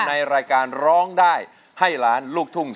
ในรายการร้องได้ให้ล้านลูกทุ่ง